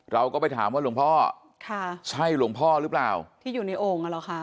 เราก็ไปถามว่าหลวงพ่อค่ะใช่หลวงพ่อหรือเปล่าที่อยู่ในโอ่งอ่ะเหรอคะ